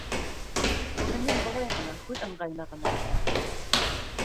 Уны мин былай ғына, һүҙ ыңғайына ғына әйтәм.